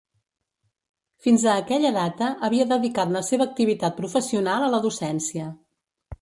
Fins a aquella data havia dedicat la seva activitat professional a la docència.